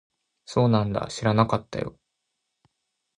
そうなんだ。知らなかったよ。